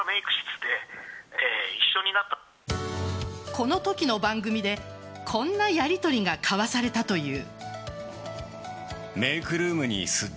このときの番組でこんなやりとりが交わされたという。